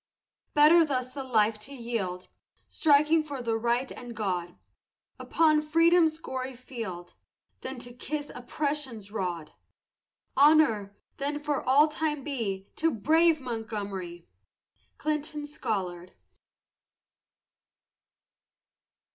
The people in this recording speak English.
Better thus the life to yield, Striking for the right and God, Upon Freedom's gory field, Than to kiss Oppression's rod! Honor, then, for all time be To the brave Montgomery! CLINTON SCOLLARD.